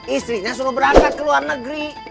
istrinya suruh berangkat ke luar negeri